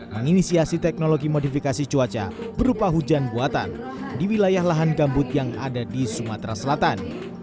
menginisiasi teknologi modifikasi cuaca berupa hujan buatan di wilayah lahan gambut yang ada di sumatera selatan